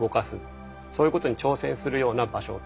そういうことに挑戦するような場所ですね。